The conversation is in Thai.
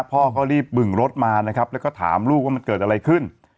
พ่อก็รีบบึงรถมานะครับแล้วก็ถามลูกว่ามันเกิดอะไรขึ้น